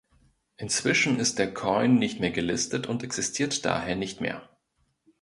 Inzwischen ist der Coin nicht mehr gelistet und existiert daher nicht mehr.